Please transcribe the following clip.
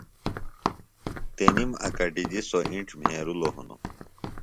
تنِم اکٹِجیۡ سوۡ اِنڇ مھیرِلوۡ ہنوۡ